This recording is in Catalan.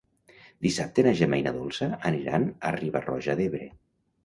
Dissabte na Gemma i na Dolça aniran a Riba-roja d'Ebre.